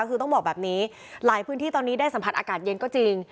คือต้องบอกแบบนี้หลายพื้นที่ตอนนี้ได้สัมผัสอากาศเย็นก็จริง